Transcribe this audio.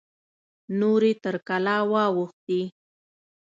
نورې تر کلا واوښتې.